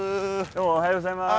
どうもおはようございます。